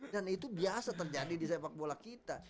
dan itu biasa terjadi di sepak bola kita